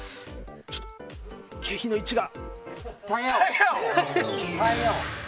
ちょっと景品の位置が。